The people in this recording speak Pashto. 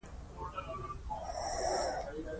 ما پر دې موضوع پينځه ويشت کاله څېړنې وکړې.